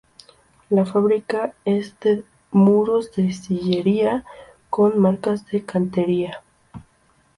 La fábrica es de muros de sillería con marcas de cantería.